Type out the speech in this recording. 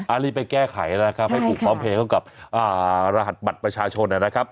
อ่ะรีบไปแก้ไขแล้วล่ะครับให้ผูกพร้อมเพย์เข้ากับรหัสบัตรประชาชนเนี่ยนะครับ